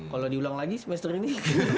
kalau diulang lagi semester ini